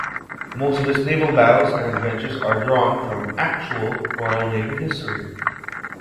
Most of his naval battles and adventures are drawn from actual Royal Navy history.